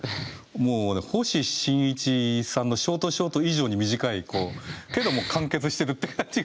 もうね星新一さんのショートショート以上に短いけども完結してるって感じがするこれ。